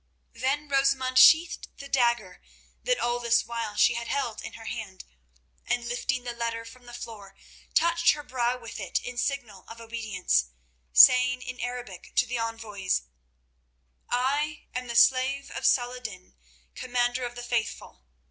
Then Rosamund sheathed the dagger that all this while she had held in her hand, and, lifting the letter from the floor, touched her brow with it in signal of obedience, saying in Arabic to the envoys: "I am the slave of Salah ed din, Commander of the Faithful.